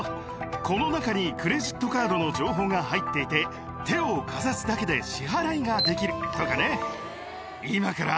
この中にクレジットカードの情報が入っていて、手をかざすだけで支払いができるとかね。